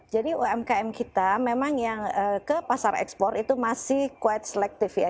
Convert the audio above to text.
jadi umkm kita memang yang ke pasar ekspor itu masih quite selective ya